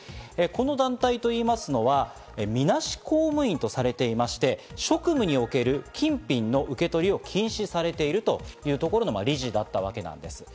この団体といいますのは、みなし公務員とされていまして、職務における金品の受け取りを禁止されているというところの理事だったわけです。